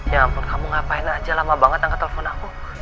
ya ampun kamu ngapain aja lama banget angka telepon aku